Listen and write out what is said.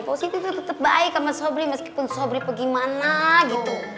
positi tuh tetep baik sama sobri meskipun sobri apa gimana gitu